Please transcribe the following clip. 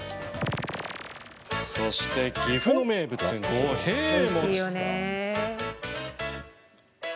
そして岐阜の名物、五平餅。